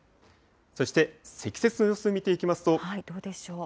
そして、積雪の様子を見ていきまどうでしょう。